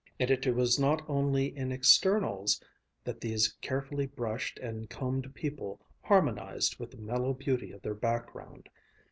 And it was not only in externals that these carefully brushed and combed people harmonized with the mellow beauty of their background.